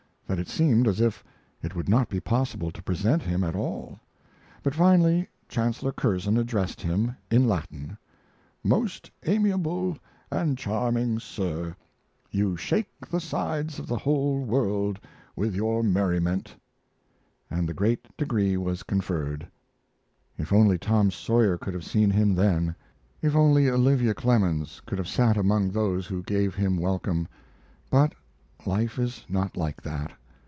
that it seemed as if it would not be possible to present him at all; but, finally, Chancellor Curzon addressed him (in Latin), "Most amiable and charming sir, you shake the sides of the whole world with your merriment," and the great degree was conferred. If only Tom Sawyer could have seen him then! If only Olivia Clemens could have sat among those who gave him welcome! But life is not like that.